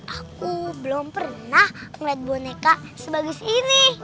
aku belum pernah melihat boneka sebagus ini